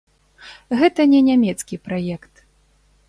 Гэта не нямецкі праект.